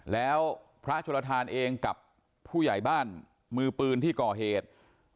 แล้วพระโชลทานเองกับผู้ใหญ่บ้านมือปืนที่ก่อเหตุ